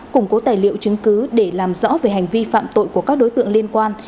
củng cố tài liệu chứng cứ để làm rõ về hành vi phạm tội của các đối tượng liên quan